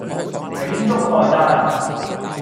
秉燭待旦